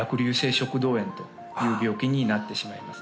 食道炎という病気になってしまいます